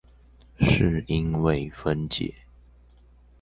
是因為分解